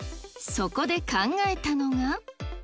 そこで考えたのが。